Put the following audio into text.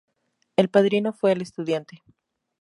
El padrino fue "El Estudiante".